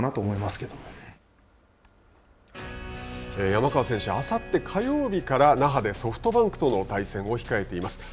山川選手はあさって火曜日から那覇でソフトバンクとの対戦を控えています。